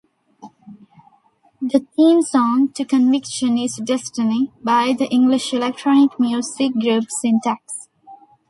The theme song to "Conviction" is "Destiny", by the English electronic music group Syntax.